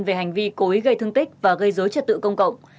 về hành vi cối gây thương tích và gây dối trật tự công cộng